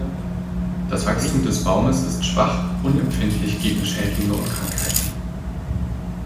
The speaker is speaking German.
Das Wachstum des Baumes ist schwach, unempfindlich gegen Schädlinge und Krankheiten.